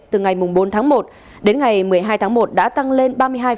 từ ngày bốn tháng một đến ngày một mươi hai tháng một đã tăng lên ba mươi hai